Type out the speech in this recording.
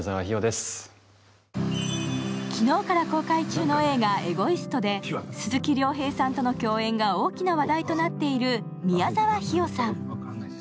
昨日から公開中の映画「エゴイスト」で鈴木亮平さんとの共演が大きな話題となっている宮沢氷魚さん。